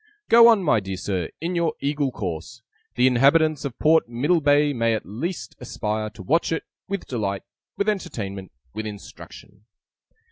Go on, my dear Sir, in your Eagle course! The inhabitants of Port Middlebay may at least aspire to watch it, with delight, with entertainment, with instruction!